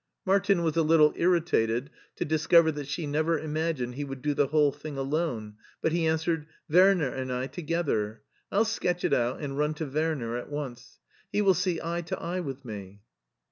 Martin was a little irritated to discover that she never imagined he would do the whole thing alone, but he answered, " Werner and I together. I'll sketch it out and run to Werner at once. He will see eye to eye with me."